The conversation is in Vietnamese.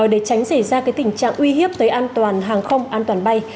để tránh xảy ra tình trạng uy hiếp tới an toàn hàng không an toàn bay